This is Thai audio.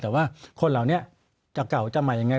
แต่ว่าคนเหล่านี้จะเก่าจะใหม่ยังไง